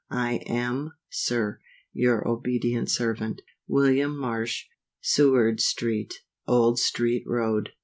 I am, Sir, Your obedient servant, WILLIAM MARSH. Seward Street, Old Street Road.